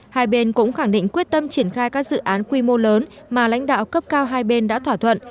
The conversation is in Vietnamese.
hai bên cũng khẳng định quyết tâm triển khai các dự án quy mô lớn mà lãnh đạo cấp cao hai bên đã thỏa thuận